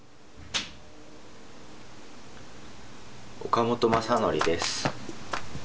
岡本将徳です。